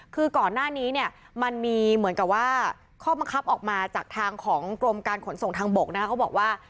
คือก่อนหน้านี้เนี่ยมันมีเหมือนกับว่าข้อบังคับออกมาจากทางของกรมการขนส่งทางบกนะคะเขาบอกว่า